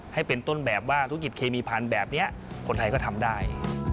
ให้เป็นต้นแบบว่าธุรกิจเคมีพันธุ์แบบนี้คนไทยก็ทำได้